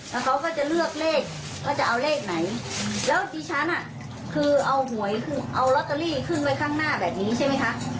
แล้วเขาก็จะเลือกเลขว่าจะเอาเลขไหนแล้วดิฉันอ่ะคือเอาหวยคือเอาลอตเตอรี่ขึ้นไว้ข้างหน้าแบบนี้ใช่ไหมคะ